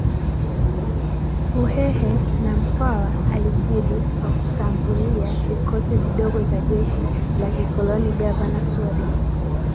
Uhehe na Mkwawa alijibu kwa kusambulia vikosi vidogo vya jeshi la kikoloni Gavana Soden